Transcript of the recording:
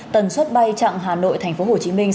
tần suất bay chặng hà nội thành phố hồ chí minh